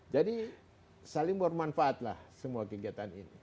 jadi saling bermanfaatlah semua kegiatan ini